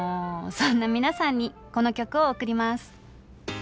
そんな皆さんにこの曲を贈ります。